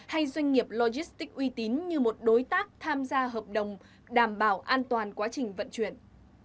hay doanh nghiệp logistics uy tín như một đối tác tham gia hợp đồng đảm bảo an toàn quá trình vận chuyển